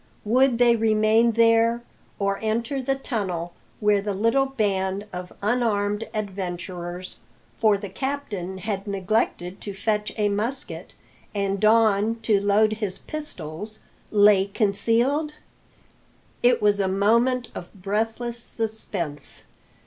Would they remain there, or enter the tunnel where the little band of unarmed adventurers for the captain had neglected to fetch a musket, and Don to load his pistols lay concealed? It was a moment of breathless suspense.